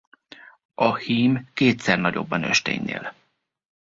A hím kétszer nagyobb a nősténynél.